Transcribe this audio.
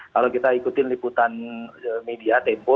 kalau kita ikutin liputan media tempo